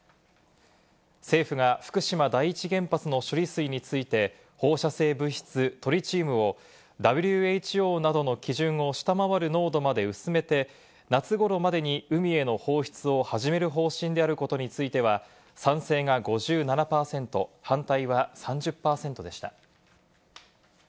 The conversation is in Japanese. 政府が福島第一原発の処理水について、放射性物質トリチウムをＷＨＯなどの基準を下回る濃度まで薄めて、夏ごろまでに海への放出を始める方針であることについては、賛成が５７％、反対は３０％でした。